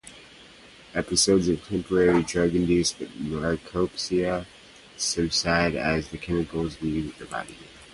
Episodes of temporary drug-induced macropsia subside as the chemicals leave the body.